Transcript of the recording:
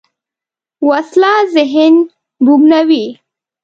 وسله ذهن بوږنوې